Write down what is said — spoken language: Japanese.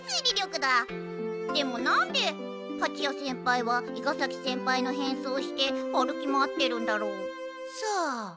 でもなんではちや先輩は伊賀崎先輩の変装をして歩き回ってるんだろう？さあ。